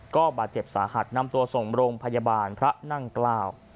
ก็บาดเจ็บสาหัสนำตัวส่งโรงพยาบาลพระนั่งเกล้า